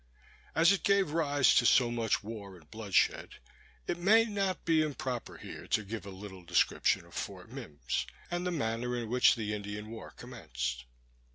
As it gave rise to so much war and bloodshed, it may not be improper here to give a little description of Fort Mimms, and the manner in which the Indian war commenced.